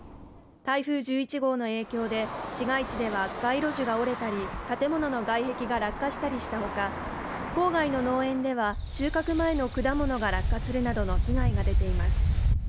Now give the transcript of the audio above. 台風１１号の影響で市街地では街路樹が折れたり建物の外壁が落下したりしたほか郊外の農園では収穫前の果物が落下するなどの被害が出ています